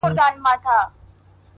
نوره سپوږمۍ راپسي مه ږغـوه؛